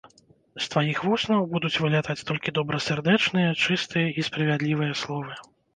З тваіх вуснаў будуць вылятаць толькі добрасардэчныя, чыстыя і справядлівыя словы.